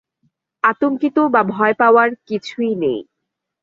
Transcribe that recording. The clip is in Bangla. আতঙ্কিত বা ভয় পাওয়ার কিছু নেই।